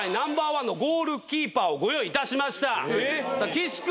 岸君！